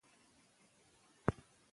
کېدای شي خبره بدله شي.